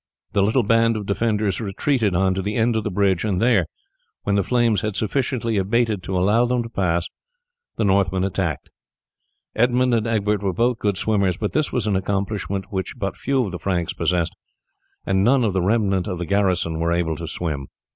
The little band of defenders retreated on to the end of the bridge, and there, when the flames had sufficiently abated to allow them to pass, the Northmen attacked them. Edmund and Egbert were both good swimmers, but this was an accomplishment which but few of the Franks possessed, and none of the remnant of the garrison were able to swim.